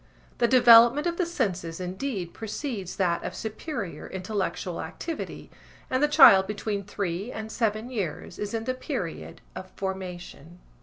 The development of the senses indeed precedes that of superior intellectual activity and the child between three and seven years is in the period of formation.